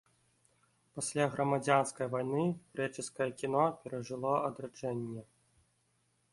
Пасля грамадзянскай вайны грэчаскае кіно перажыло адраджэнне.